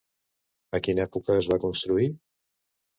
A quina època es va construir?